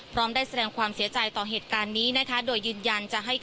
พร้อมได้แสดงความเสียใจต่อเหตุการณ์นี้